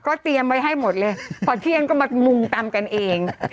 เตรียมไว้ให้หมดเลยพอเที่ยงก็มามุงตำกันเอง